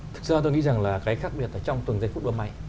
thực ra tôi nghĩ rằng là cái khác biệt là trong tuần giây phút mùa mai